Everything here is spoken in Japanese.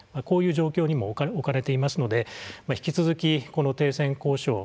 こういう状況にも置かれていますので引き続きこの停戦交渉